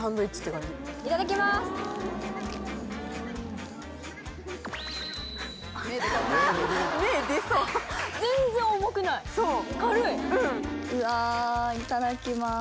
うわいただきます。